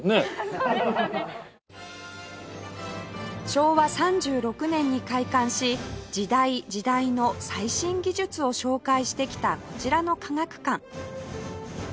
昭和３６年に開館し時代時代の最新技術を紹介してきたこちらの科学館